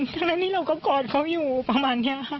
ทั้งนั้นที่เราก็กอดเขาอยู่ประมาณเนี้ย